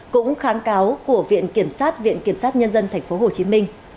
cũng kháng cáo của viện kiểm sát viện kiểm sát nhân dân tp hcm